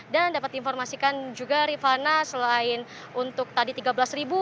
dan dapat diinformasikan juga rifana selain untuk tadi tiga belas ribu